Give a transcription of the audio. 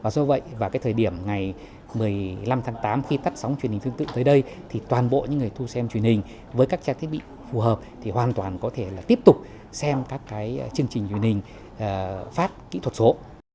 do vậy vào cái thời điểm ngày một mươi năm tháng tám khi tắt sóng truyền hình tương tự tới đây thì toàn bộ những người thu xem truyền hình với các trang thiết bị phù hợp thì hoàn toàn có thể là tiếp tục xem các cái chương trình truyền hình phát kỹ thuật số